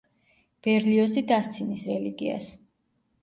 ბერლიოზი დასცინის რელიგიას.